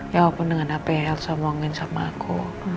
ya walaupun dengan apa yang elsa omongin sama aku